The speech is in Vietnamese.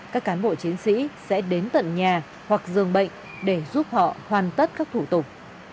các cán bộ chiến sĩ sẽ đến tận nhà hoặc dường bệnh để giúp họ hoàn tất các thủ tục